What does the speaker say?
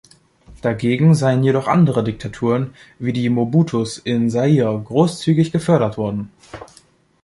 Dagegen seien jedoch andere Diktaturen, wie die Mobutus in Zaire, großzügig gefördert worden.